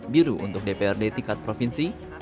biru untuk dprd tingkat provinsi